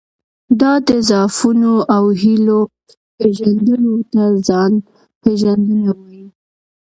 دا د ضعفونو او هیلو پېژندلو ته ځان پېژندنه وایي.